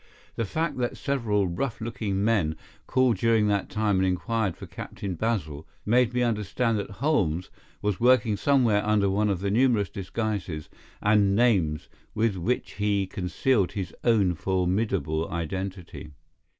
The fact that several rough looking men called during that time and inquired for Captain Basil made me understand that Holmes was working somewhere under one of the numerous disguises and names with which he concealed his own formidable identity.